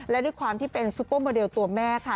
และด้วยความที่เป็นซุปเปอร์โมเดลตัวแม่ค่ะ